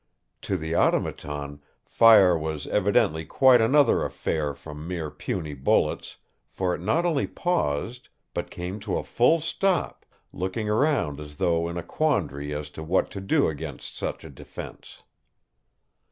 To the Automaton fire was evidently quite another affair from mere puny bullets, for it not only paused, but came to a full stop, looking around as though in a quandary as to what to do against such a defense.